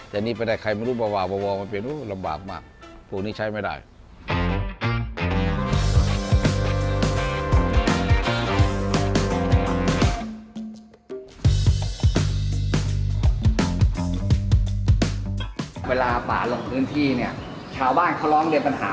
ป่าลงพื้นที่ชาวบ้านเขาร้องเรียนปัญหาอะไรบ้างที่สุดให้ป่าฝั่ง